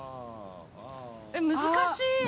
難しい。